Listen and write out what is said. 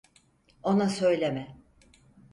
Ona söyleme.